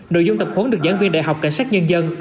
nội dung tập huấn được giảng viên đại học cảnh sát nhân dân